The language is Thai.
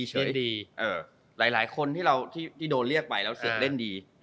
อีกคำที่โดดเรียกไปแล้วเสียล่ะ